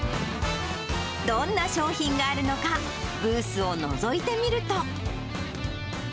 どんな商品があるのか、ブースをのぞいてみると。